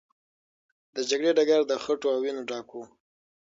د جګړې ډګر د خټو او وینو ډک و.